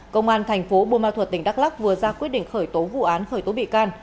công an thành phố bô ma thuật tỉnh đắk lắc vừa ra quyết định khởi tố vụ án khởi tố bị can